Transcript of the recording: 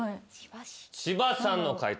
千葉さんの解答